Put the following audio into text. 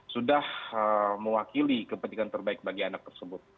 sudah mewakili kepentingan terbaik bagi anak tersebut